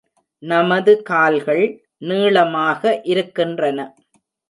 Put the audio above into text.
நமது கால்கள் நீளமாக இருக்கின்றன.